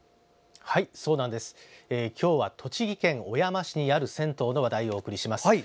今日は栃木県小山市にある銭湯の話題をお送りします。